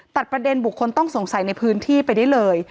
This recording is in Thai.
ตัดประเด็นบุคคลต้องสงสัยในพื้นที่ไปได้เลย